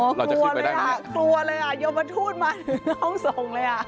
อ๋อครัวเลยอ่ะยอมมาทูตมาถึงห้องส่งเลยอ่ะ